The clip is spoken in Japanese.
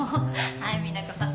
はい美奈子さん。